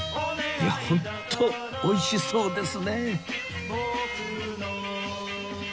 いやホント美味しそうですね